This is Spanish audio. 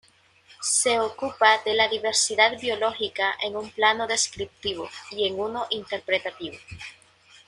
Se ocupa de la diversidad biológica en un plano descriptivo y en uno interpretativo.